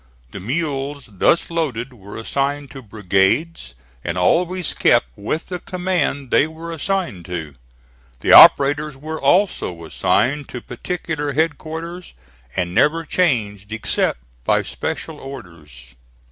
The mules thus loaded were assigned to brigades, and always kept with the command they were assigned to. The operators were also assigned to particular headquarters, and never changed except by special orders.